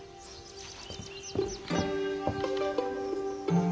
うん。